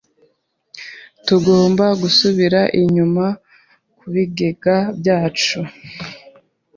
Tugomba gusubira inyuma kubigega byacu.